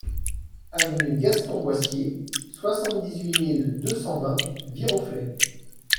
Avenue Gaston Boissier, soixante-dix-huit mille deux cent vingt Viroflay